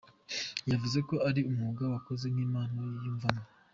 Yavuze ko ari umwuga yakoze nk’impano yiyumvamo.